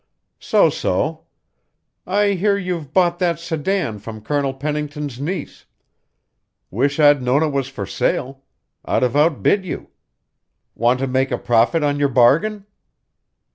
"So so! I hear you've bought that sedan from Colonel Pennington's niece. Wish I'd known it was for sale. I'd have outbid you. Want to make a profit on your bargain?"